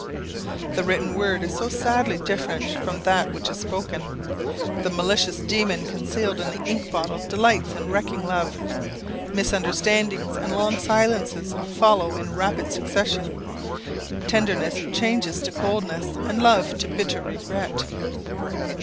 The written word is so sadly different from that which is spoken! The malicious demon concealed in the ink bottle delights in wrecking love. Misunderstandings and long silences follow in rapid succession, tenderness changes to coldness, and love to bitter regret.